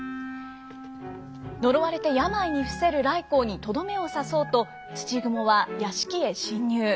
呪われて病に伏せる頼光にとどめを刺そうと土蜘蛛は屋敷へ侵入。